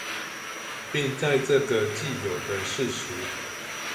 並在這個既有的事實